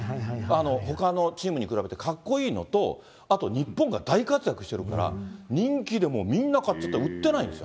ほかのチームに比べてかっこいいのと、あと日本が大活躍してるから、人気でもう、みんな買っちゃって、売ってないんです。